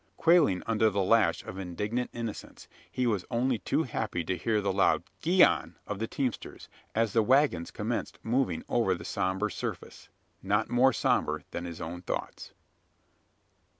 Quailing under the lash of indignant innocence, he was only too happy to hear the loud "gee on" of the teamsters, as the waggons commenced moving over the sombre surface not more sombre than his own thoughts.